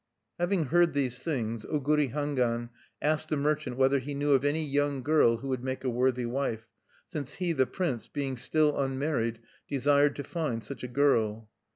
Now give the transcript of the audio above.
Having heard these things, Oguri Hangwan asked the merchant whether he knew of any young girl who would make a worthy wife, since he, the prince, being still unmarried, desired to find such a girl.